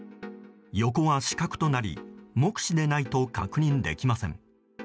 横は死角となり目視でないと確認できません。